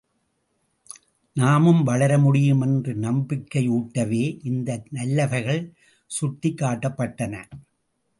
நாமும் வளர முடியும் என்ற நம்பிக்கை ஊட்டவே இந்த நல்லவைகள் சுட்டிக் காட்டப்பட்டன.